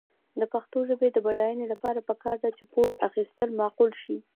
د پښتو ژبې د بډاینې لپاره پکار ده چې پور اخیستل معقول شي.